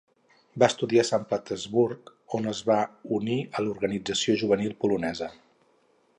Va estudiar a Sant Petersburg, on es va unir a l'organització juvenil polonesa.